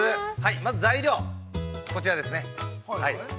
まず材料はこちらですね。